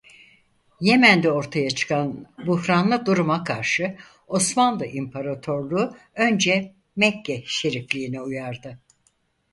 Yemen'de ortaya çıkan buhranlı duruma karşı Osmanlı İmparatorluğu önce Mekke Şerifliği'ni uyardı.